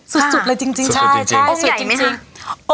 สุดสุดเลยจริงจริงใช่ใช่สุดสุดจริงจริงองค์ใหญ่ไหมฮะ